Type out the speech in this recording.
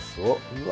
うわ！